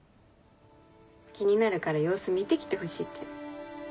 気になるから様子見て来てほしいって。